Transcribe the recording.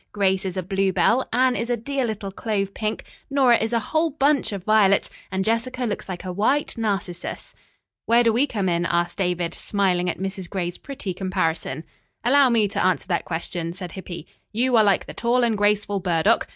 Grace is a bluebell, Anne is a dear little clove pink, Nora is a whole bunch of violets and Jessica looks like a white narcissus." "Where do we come in?" asked David, smiling at Mrs. Gray's pretty comparison. "Allow me to answer that question," said Hippy. "You are like the tall and graceful burdock.